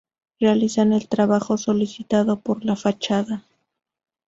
Realizan el trabajo solicitado por la fachada.